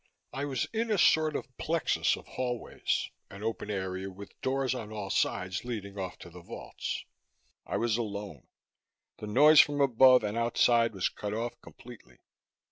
I was in a sort of plexus of hallways, an open area with doors on all sides leading off to the vaults. I was alone; the noise from above and outside was cut off completely.